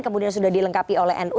kemudian sudah dilengkapi oleh nu